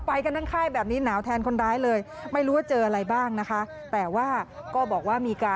ไปกันทั้งค่ายแบบนี้หนาวแทนคนร้ายเลยไม่รู้ว่าเจออะไรบ้างนะคะแต่ว่าก็บอกว่ามีการ